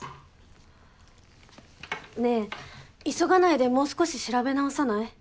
ねえ急がないでもう少し調べ直さない？